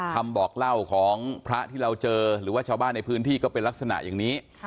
คำบอกเล่าของพระที่เราเจอหรือว่าชาวบ้านในพื้นที่ก็เป็นลักษณะอย่างนี้